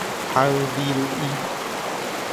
hayviru'i